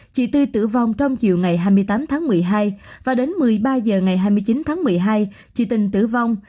chị tư tử vong trong chiều ngày hai mươi tám tháng một mươi hai và đến một mươi ba h ngày hai mươi chín tháng một mươi hai chị tình tử vong